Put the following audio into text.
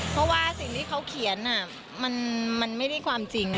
เพราะว่าสิ่งที่เขาเขียนมันไม่ได้ความจริง